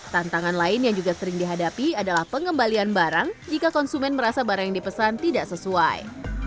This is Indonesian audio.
tantangan lain yang juga sering dihadapi adalah pengembalian barang jika konsumen merasa barang yang dipesan tidak sesuai